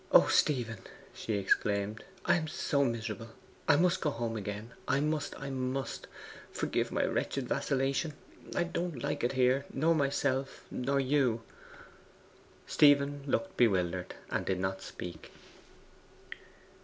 'O Stephen,' she exclaimed, 'I am so miserable! I must go home again I must I must! Forgive my wretched vacillation. I don't like it here nor myself nor you!' Stephen looked bewildered, and did not speak.